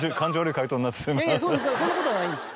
いやいやそんなことはないんです。